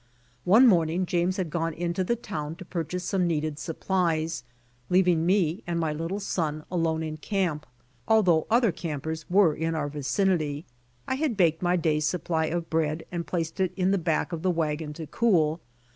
One morning James had gone into the town to pur chase some needed supplies, leaving me and my little 56 BY ox TEAM TO CALIFORNIA son alone in camp, although other campers were in onr vicinity. I had baked my day's supply of bread and placed it in the back of the wagon to cool.